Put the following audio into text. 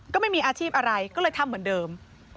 ก็ไม่มีอาชีพอะไรก็เลยทำเหมือนเดิม